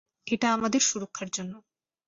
এটা আমাদের সুরক্ষার জন্য।